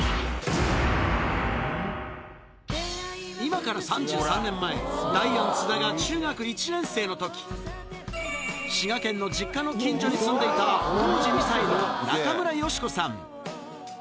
今から３３年前、ダイアン・津田が中学１年生のとき、滋賀県の実家の近所に住んでいた、当時２歳の中村佳子さん。